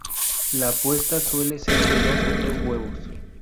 La puesta suele ser de dos o tres huevos.